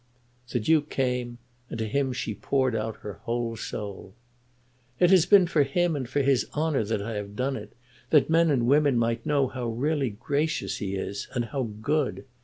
The Duke came, and to him she poured out her whole soul. "It has been for him and for his honour that I have done it; that men and women might know how really gracious he is, and how good.